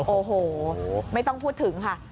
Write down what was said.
โอ้โหไม่ต้องพูดถึงค่ะ